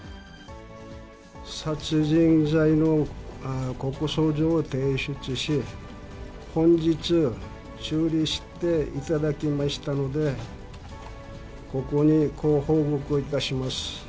殺人罪の告訴状を提出し、本日受理していただきましたので、ここにご報告いたします。